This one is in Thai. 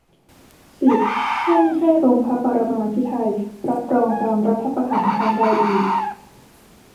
สิบ ห้ามมิให้ลงพระปรมาภิไธยรับรองการรัฐประหารครั้งใดอีก